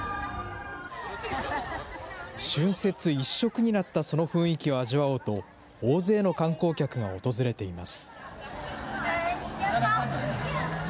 春節一色になったその雰囲気を味わおうと、大勢の観光客が訪れています。